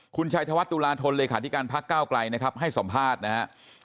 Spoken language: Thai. คุณชายธวรรษตุลาธลเลยคาดิการภักดิ์ก้าวกลายนะครับให้สอมภาษณ์นะฮะ